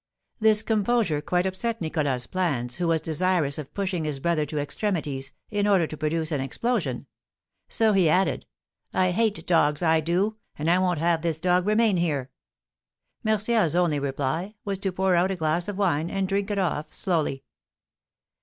This composure quite upset Nicholas's plans, who was desirous of pushing his brother to extremities, in order to produce an explosion. So he added, "I hate dogs I do; and I won't have this dog remain here." Martial's only reply was to pour out a glass of wine, and drink it off slowly.